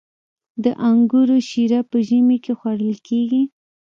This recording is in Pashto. د انګورو شیره په ژمي کې خوړل کیږي.